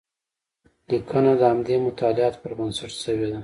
لیکنه د همدې مطالعاتو پر بنسټ شوې ده.